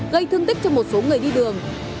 gây thương tích cho một số người đi đường